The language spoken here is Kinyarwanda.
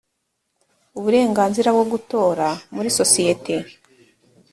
uburenganzira bwo gutora muri sosiyete